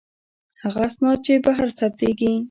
هغه اسناد چې بهر ثبتیږي.